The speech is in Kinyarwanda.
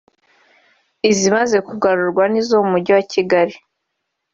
Izimaze kugarurwa ni izo mu mujyi wa Kigali